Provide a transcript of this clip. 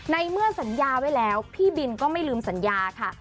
ในเมื่อสัญญาไว้แล้วพี่บินก็ไม่ลืมสัญญาค่ะ